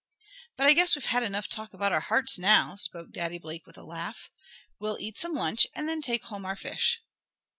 "But I guess we've had enough talk about our hearts now," spoke Daddy Blake with a laugh. "We'll eat some lunch and then take home our fish."